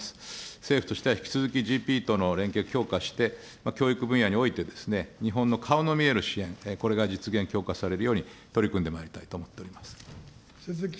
政府としては引き続きＧＰＥとの連携強化して、教育分野において、日本の顔の見える支援、これが実現強化されるように取り組んでまいりたいと思っております。